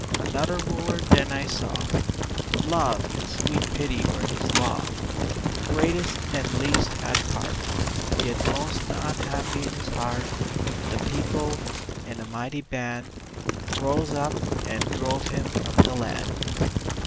Another Ruler then I saw Love and sweet Pity were his law: The greatest and the least had part (Yet most the unhappy) in his heart The People, in a mighty band, Rose up, and drove him from the land!